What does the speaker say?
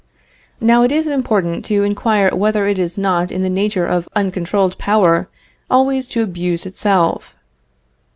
Now it is important to inquire whether it is not in the nature of uncontrolled power always to abuse itself.